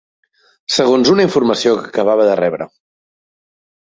...segons una informació que acabava de rebre